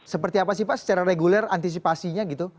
seperti apa sih pak secara reguler antisipasinya gitu